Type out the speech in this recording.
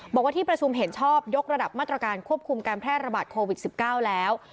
บอกว่าที่ประชุมเห็นชอบยกระดับมาตรการควบคุมการแพร่ระบาดโควิด๑๙แล้ว